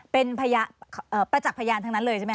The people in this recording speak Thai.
เป็นประจักษ์พยานทั้งนั้นเลยใช่ไหมค